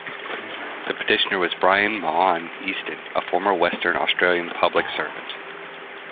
The petitioner was Brian Mahon Easton, a former Western Australian public servant.